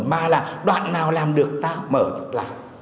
mà là đoạn nào làm được ta mở lại